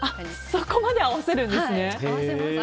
そこまで合わせるんですね。